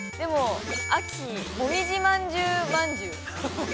秋もみじまんじゅうまんじゅう。